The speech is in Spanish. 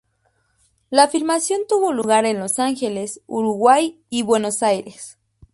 La filmación tuvo lugar en Los Ángeles, Uruguay, y Buenos Aires.